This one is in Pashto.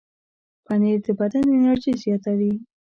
پنېر د بدن انرژي زیاتوي.